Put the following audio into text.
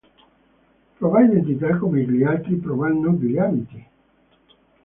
Prova identità come gli altri provano gli abiti".